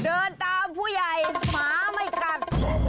เดินตามผู้ใหญ่หมาไม่กัด